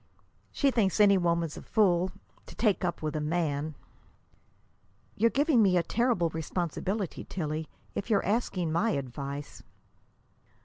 "She thinks any woman's a fool to take up with a man." "You're giving me a terrible responsibility, Tillie, if you're asking my advice."